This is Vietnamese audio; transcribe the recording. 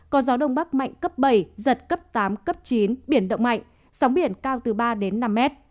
có gió đông bắc mạnh cấp bảy giật cấp tám cấp chín biển động mạnh sóng biển cao từ ba đến năm mét